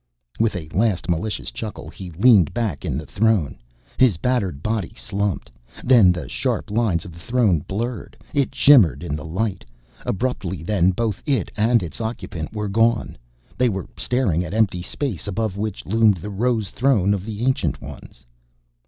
With a last malicious chuckle, he leaned back in the throne. His battered body slumped. Then the sharp lines of the throne blurred; it shimmered in the light. Abruptly then both it and its occupant were gone. They were staring at empty space, above which loomed the rose throne of the Ancient Ones.